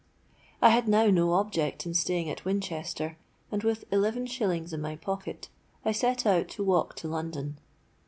I had now no object in staying at Winchester; and, with eleven shillings in my pocket, I set out to walk to London.